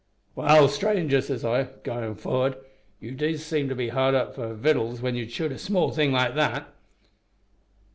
"`Well, stranger,' says I, goin' for'ard, `you do seem to be hard up for victuals when you'd shoot a small thing like that!'